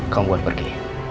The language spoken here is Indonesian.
kamu buat pergi